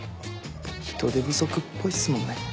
人手不足っぽいっすもんね。